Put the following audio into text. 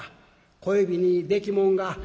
小指にできもんが」。